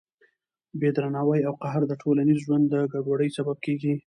بې درناوي او قهر د ټولنیز ژوند د ګډوډۍ سبب کېږي.